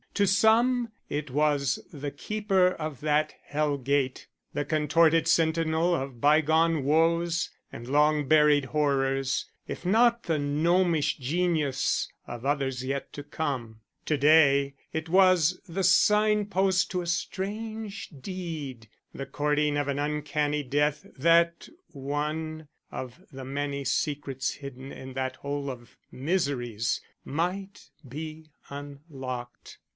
To some it was the keeper of that hell gate; the contorted sentinel of bygone woes and long buried horrors, if not the gnomish genius of others yet to come. To day it was the sign post to a strange deed the courting of an uncanny death that one of the many secrets hidden in that hole of miseries might be unlocked.